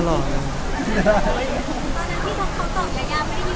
ตอนนั้นพี่ตอบคำตอบอย่างยาวไม่ได้ยืนอยู่